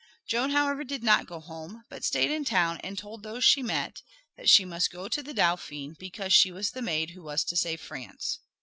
Joan, however, did not go home, but stayed in the town, and told those she met that she must go to the Dauphin because she was the maid who was to save France.